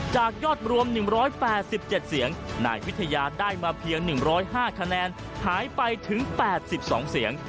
จากยอดรวม๑๘๗เสียงนายวิทยาได้มาเพียง๑๐๕คะแนนหายไปถึง๘๒เสียง